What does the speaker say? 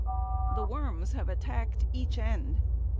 The "worms" have attacked each end.